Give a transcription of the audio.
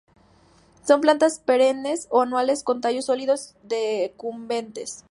Son plantas perennes o anuales con tallos sólidos, decumbentes.